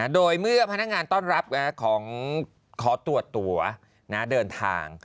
โดยเมื่อพนักงานต้อนรับขอตรวจตัวเดินทาง